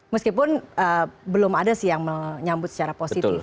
meskipun belum ada sih yang menyambut secara positif